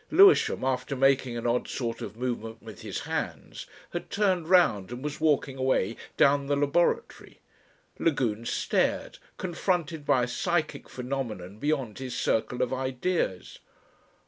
Lewisham, after making an odd sort of movement with his hands, had turned round and was walking away down the laboratory. Lagune stared; confronted by a psychic phenomenon beyond his circle of ideas.